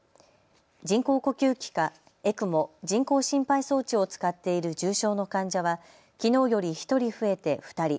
人工呼吸器かＥＣＭＯ・人工心肺装置を使っている重症の患者はきのうより１人増えて２人。